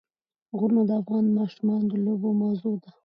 غرونه د افغان ماشومانو د لوبو موضوع ده.